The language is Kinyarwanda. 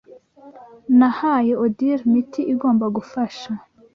Nahaye Odile imiti igomba gufasha.